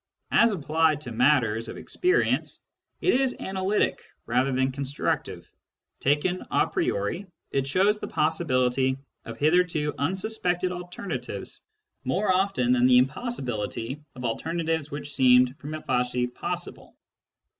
As applied to matters of experience, it is analytic rather than constructive ; taken a priori^ it shows the possibility of hitherto unsuspected alternatives more often than the impossibility of alternatives which seemed prima facie possible.